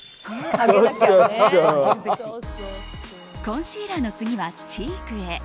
コンシーラーの次はチークへ。